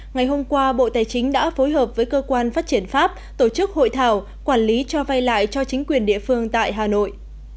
ngày hôm qua bộ tài chính đã phối hợp với cơ quan phát triển pháp tổ chức hội thảo quản lý cho vay lại cho chính quyền địa phương tại hà nội